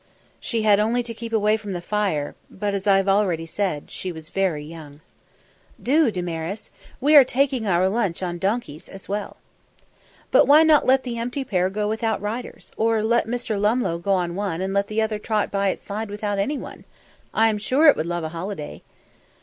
She had only to keep away from the fire, but, as I have already said, she was very young. "Do, Damaris! We are taking our lunch on donkeys, as well." "But why not let the empty pair go without riders? Or let Mr. Lumlough go on one and let the other trot by its side without anyone? I'm sure it would love a holiday."